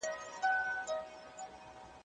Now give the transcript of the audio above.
د هرې اړیکې پر مهال احتیاط پکار دی.